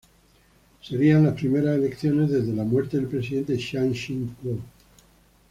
Serían las primeras elecciones desde la muerte del presidente Chiang Ching-kuo.